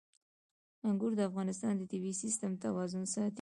انګور د افغانستان د طبعي سیسټم توازن ساتي.